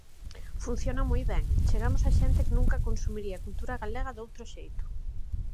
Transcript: Funciona moi ben: chegamos a xente que nunca consumiría cultura galega doutro xeito.